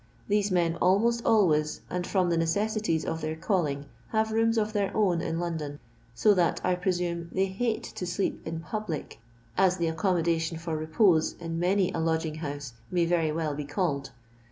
These men, almost always, and from the necessi ties of their calling, have rooms of their own in London ; so that, 1 presume, they hate to sleep xn public, as the accommodation for repose in many a lodging house may very well be called.